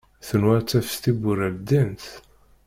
Tenwa ad d-taf tiwwura ldint.